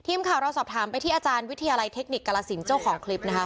ทีมข่าวเราสอบถามไปที่อาจารย์วิทยาลัยเทคนิคกรสินเจ้าของคลิปนะคะ